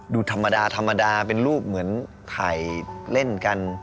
ดูธรรมดาธรรมดาเป็นรูปเหมือนถ่ายเล่นกัน